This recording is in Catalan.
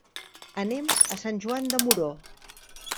Anem a Sant Joan de Moró.